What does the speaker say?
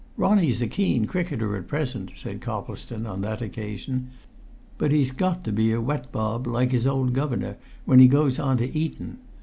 "Ronnie's a keen cricketer at present," said Coplestone on that occasion. "But he's got to be a wet bob like his old governor when he goes on to Eton.